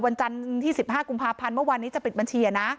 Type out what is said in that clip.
วันจันทร์ที่๑๕กุมภาพันธ์เมื่อวานนี้จะปิดบัญชีนะ